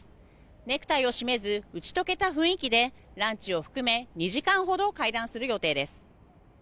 ネクタイを締めず打ち解けた雰囲気でランチを含め２時間ほど会談する予定です。